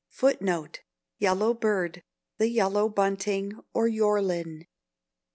[Footnote 11: "Yellow bird," the yellow bunting, or yorlin.